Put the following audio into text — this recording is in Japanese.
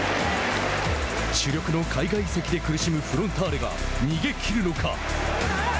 主力の海外移籍で苦しむフロンターレが逃げ切るのか。